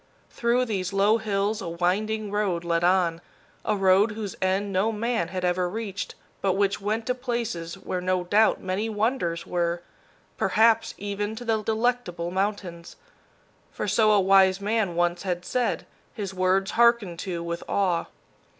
Through these low hills a winding road led on, a road whose end no man had ever reached, but which went to places where, no doubt, many wonders were perhaps even to the Delectable Mountains; for so a wise man once had said, his words harkened to with awe.